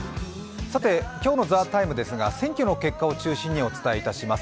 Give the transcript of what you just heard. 今日の「ＴＨＥＴＩＭＥ，」ですが、選挙の結果を中心にお伝えいたします。